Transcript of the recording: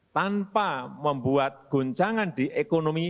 tanpa membuat guncangan di ekonomi